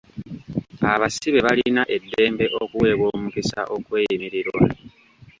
Abasibe balina eddembe okuweebwa omukisa okweyimirirwa.